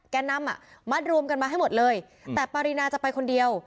แกนำอ่ะมัดรวมกันมาให้หมดเลยแต่ปรินาจะไปคนเดียว